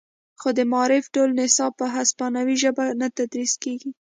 خو د معارف ټول نصاب په هسپانوي ژبه نه تدریس کیږي